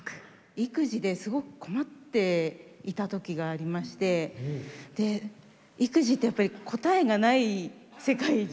育児ですごく困っていたときがありましてで育児ってやっぱり答えがない世界じゃないですか。